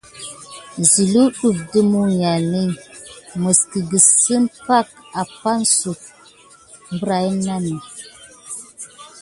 Zilu ɗef ɗe mulial iki mis kedakisi pay apanisou si magrani.